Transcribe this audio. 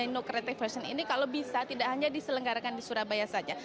no creative fashion ini kalau bisa tidak hanya diselenggarakan di surabaya saja